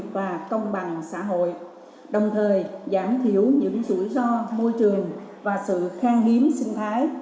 và công bằng xã hội đồng thời giảm thiểu những rủi ro môi trường và sự khang hiếm sinh thái